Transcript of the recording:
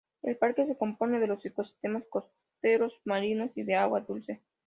El parque se compone de los ecosistemas costeros, marinos y de agua dulce.